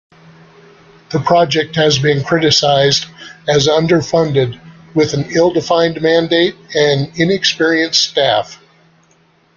The project has been criticized as underfunded, with an ill-defined mandate and inexperienced staff.